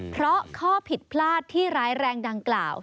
เพราะข้อผิดพลาดที่ร้ายแรงดังกล่าว